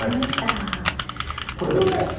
これだけです。